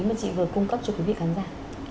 mà chị vừa cung cấp cho quý vị khán giả